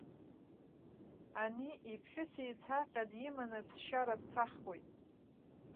Ани иԥҳәыс еицаҟьа диманы ԥсшьара дцахуеит!